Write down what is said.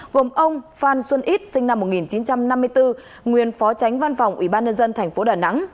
gồm ông phan xuân ít sinh năm một nghìn chín trăm năm mươi bốn nguyên phó tránh văn phòng ủy ban nhân dân tp đà nẵng